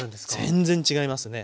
全然違いますね。